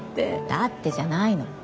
だってじゃないの。